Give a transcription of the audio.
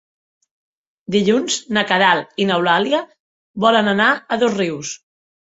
Dilluns na Queralt i n'Eulàlia volen anar a Dosrius.